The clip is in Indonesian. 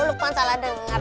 lukman salah dengar